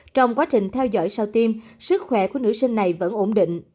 trong quá trình theo dõi sau tiêm sức khỏe của nữ sinh này vẫn ổn định